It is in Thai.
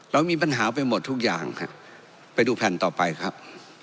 เรามีปัญหาไปหมดทุกอย่างครับไปดูแผ่นต่อไปครับ